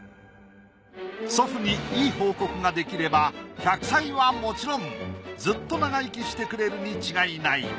祖父にいい報告ができれば１００歳はもちろんずっと長生きしてくれるに違いない。